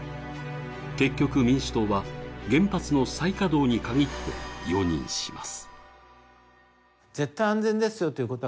結局、民主党は原発の再稼働に限って容認します。